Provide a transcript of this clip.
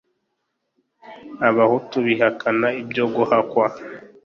Abahutu bihakana ibyo guhakwa